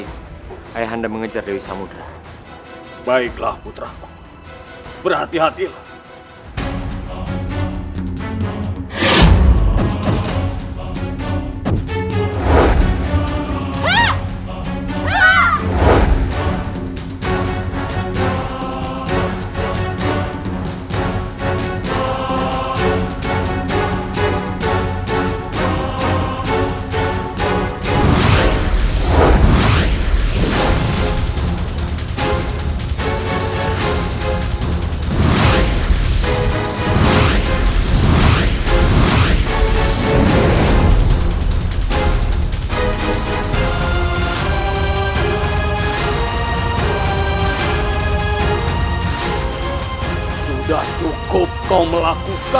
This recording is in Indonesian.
kekuatan chris itu sungguh luar biasa tapi aku yakin kali ini aku pasti bisa mengambil semoga